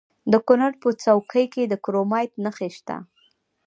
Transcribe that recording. د کونړ په څوکۍ کې د کرومایټ نښې شته.